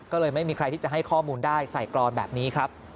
ก็เลยไม่มีใครที่จะให้ข้อมูลได้ใส่กรอนแบบนี้ครับ